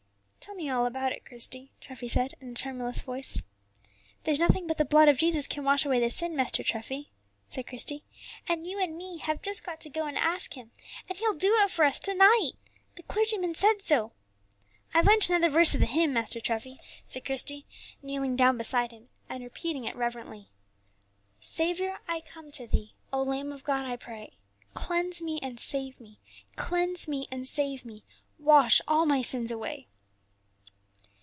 "Tell me all about it, Christie," Treffy said, in a tremulous voice. "There's nothing but the blood of Jesus can wash away the sin, Master Treffy," said Christie, "and you and me have just got to go to Him and ask Him, and He'll do it for us to night; the clergyman said so. I've learnt another verse of the hymn, Master Treffy," said Christie, kneeling down beside him and repeating it reverently: "Saviour, I come to Thee, O Lamb of God, I pray, Cleanse me and save me, Cleanse me and save me, Wash all my sins away."